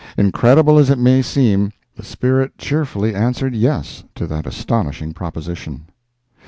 Incredible as it may seem, the spirit cheerfully answered yes to that astonishing proposition.